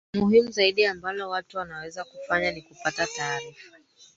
muhimu zaidi ambalo watu wanaweza kufanya ni kupata taarifa